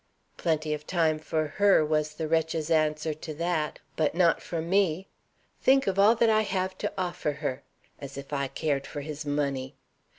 'Plenty of time for her' (was the wretch's answer to that); 'but not for me. Think of all I have to offer her' (as if I cared for his money!)